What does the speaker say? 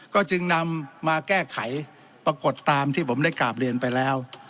ก็จึงนำมาแก้ไขปรากฏตามที่ผมได้กราบเรียนไปแล้ว